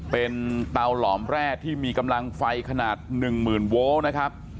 เป็นเตาหลอมแร่ที่มีกำลังไฟขนาด๑หมื่นโวลต์นะครับ